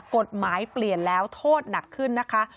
กฎหมายเปลี่ยนแล้วโทษหนักขึ้นนะคะ